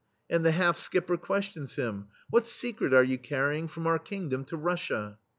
And the half skipper questions him: " What secret are you carrying from our kingdom to Russia?"